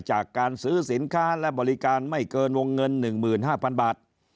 จากการซื้อสินค้าและบริการไม่เกินวงเงิน๑๕๐๐๐บาท